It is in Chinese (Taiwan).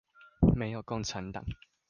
沒有共產黨